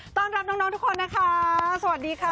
ต้อนรับน้องทุกคนนะคะสวัสดีค่ะ